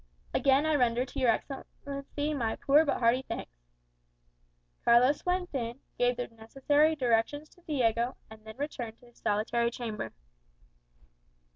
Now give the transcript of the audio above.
"Again I render to your Excellency my poor but hearty thanks." Carlos went in, gave the necessary directions to Diego, and then returned to his solitary chamber.